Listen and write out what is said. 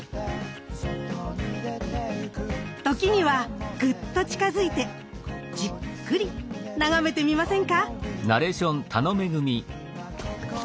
時にはグッと近づいてじっくり眺めてみませんか。